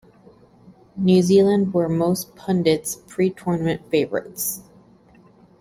New Zealand were most pundit's pre-tournament favourites.